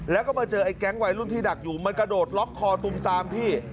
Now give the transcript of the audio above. แล้วก็มาเจอไอ้แก๊งวัยรุ่นที่ดักอยู่มันกระโดดล็อกคอตุมตามพี่